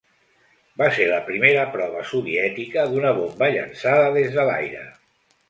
Va ser la primera prova soviètica d'una bomba llançada des de l'aire.